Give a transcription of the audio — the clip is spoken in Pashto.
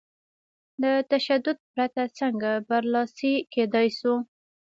له تشدد پرته څنګه برلاسي کېدای شو؟